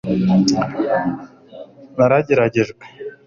narageragejwe